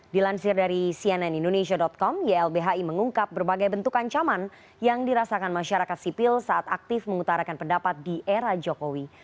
dilansir dari cnn indonesia com ylbhi mengungkap berbagai bentuk ancaman yang dirasakan masyarakat sipil saat aktif mengutarakan pendapat di era jokowi